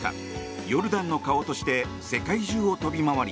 ヨルダンの顔として世界中を飛び回り